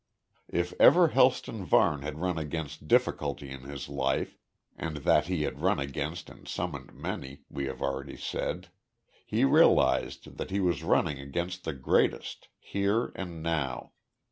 If ever Helston Varne had run against difficulty in his life and that he had run against and surmounted many, we have already said he realised that he was running against the greatest here and now.